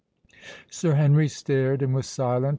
Sir Henry stared and was silent.